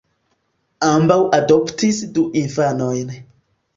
Ambaŭ adoptis du infanojn.